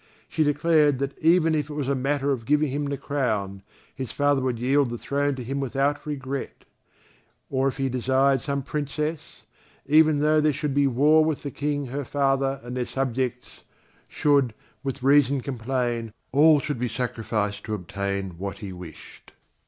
She declared that even if it was a matter of giving him the crown, his father would yield the throne to him without regret; or if he desired some Princess, even though there should be war with the King her father and their subjects should, with reason, complain, all should be sacrificed to obtain what he wished.